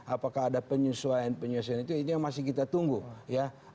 apakah ada penyesuaian penyesuaian itu itu yang masih kita tunggu ya